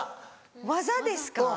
技ですか？